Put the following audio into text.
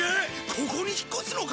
ここに引っ越すのか？